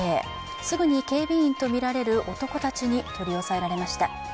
すぐに警備員とみられる男たちに取り押さえられました。